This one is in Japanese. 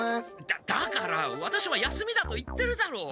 だだからワタシは休みだと言ってるだろう！